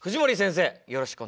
よろしくお願いします。